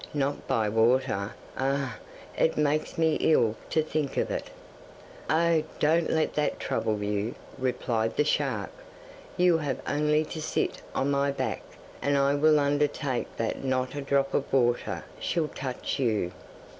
Not by water. Ugh! It makes me ill to think of it!' 'Oh! don't let that trouble you,' replied the shark, 'you have only to sit on my back and I will undertake that not a drop of water shall touch you.